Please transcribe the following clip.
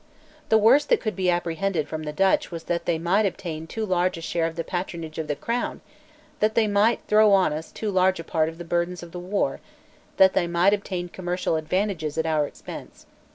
The worst that could be apprehended from the Dutch was that they might obtain too large a share of the patronage of the Crown, that they might throw on us too large a part of the burdens of the war, that they might obtain commercial advantages at our expense.